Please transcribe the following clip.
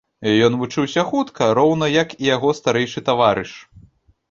Ён вучыўся хутка, роўна як і яго старэйшы таварыш.